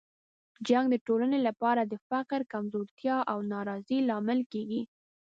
جنګ د ټولنې لپاره د فقر، کمزورتیا او ناراضۍ لامل کیږي.